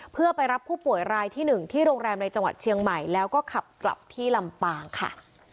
เพื่อไปรับผู้ป่วยรายที่๑ที่โรงแรมในจังหวัดเชียงใหม่แล้วก็ขับกลับที่ลำปางค่ะ